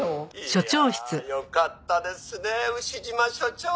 「いやあよかったですね牛島署長」